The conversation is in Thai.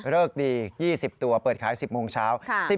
เลิกดี๒๐ตัวเปิดขาย๑๐โมงเช้า